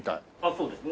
そうですね。